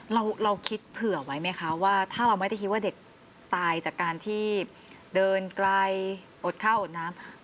เราคิดเผื่อไว้ไหมคะว่าถ้าเราไม่ได้คิดว่าเด็กตายจากการที่เดินไกลอดข้าวอดน้ำ